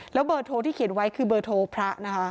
แล้วเบอร์โทรที่เขียนไว้คือเบอร์โทรพระนะคะ